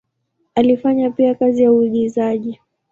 Alifanya pia kazi ya uigizaji.